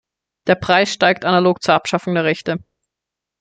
Der Preis steigt analog zur Abschaffung der Rechte.